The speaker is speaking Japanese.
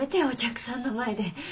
お客さんの前で。